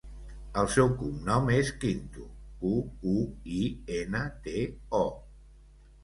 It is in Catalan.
El seu cognom és Quinto: cu, u, i, ena, te, o.